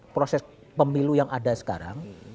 proses pemilu yang ada sekarang